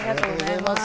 ありがとうございます。